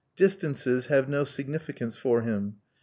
Distances have no significance for him.